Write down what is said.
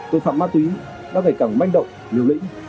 tội phạm ma túy đã ngày càng manh động liều lĩnh